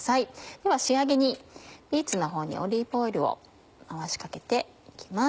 では仕上げにビーツのほうにオリーブオイルを回しかけて行きます。